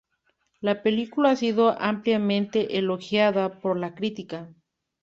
La película ha sido ampliamente elogiada por la crítica.